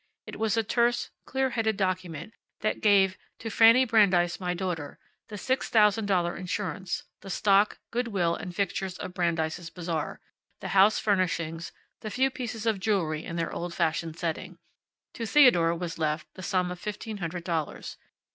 It was a terse, clear headed document, that gave "to Fanny Brandeis, my daughter," the six thousand dollar insurance, the stock, good will and fixtures of Brandeis' Bazaar, the house furnishings, the few pieces of jewelry in their old fashioned setting. To Theodore was left the sum of fifteen hundred dollars.